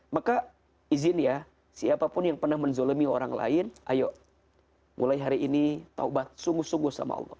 maka izin ya siapapun yang pernah menzolami orang lain ayo mulai hari ini taubat sungguh sungguh sama allah